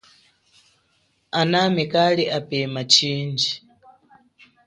Anami kali apema chindji.